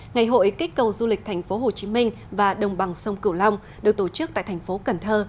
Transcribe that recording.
ngày hội kích cầu du lịch tp hcm và đồng bằng sông cửu long được tổ chức tại tp cn